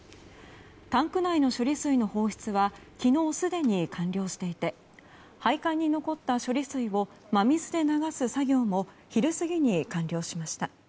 タンク内の処理水の放出は昨日すでに完了していて配管に残った処理水を真水で流す作業も昼過ぎに完了しました。